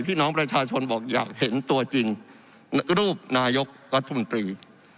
พี่น้องประชาชนบอกอยากเห็นตัวจริงรูปนายกรัฐมนตรี